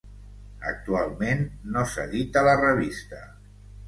Actualment no s'edita la revista.